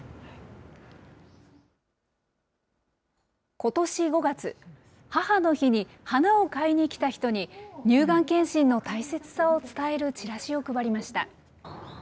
ことし５月、母の日に花を買いに来た人に乳がん検診の大切さを伝えるチラシを配りました。